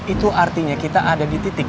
itu artinya kita ada di titik